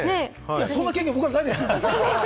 そんな権限、僕らないです。